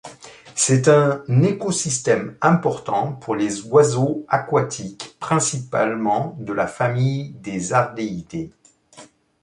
C'est un écosystème important pour les oiseaux aquatiques, principalement de la famille des ardéidés.